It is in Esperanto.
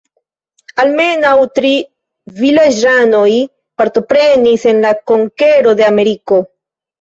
Almenaŭ tri vilaĝanoj partoprenis en la konkero de Ameriko.